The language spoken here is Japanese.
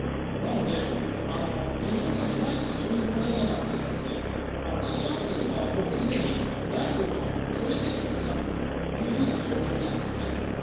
なので、重症化しないとかそういう問題じゃなくて死者数はもうすでに第５波を超えてきつつあるというふうな状況なんですね。